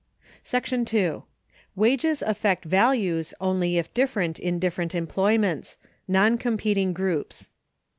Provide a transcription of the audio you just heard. § 2. Wages affect Values, only if different in different employments; "non competing groups."